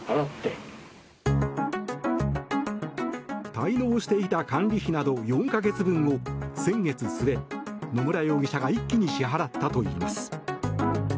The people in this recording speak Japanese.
滞納していた管理費など４か月分を先月末、野村容疑者が一気に支払ったといいます。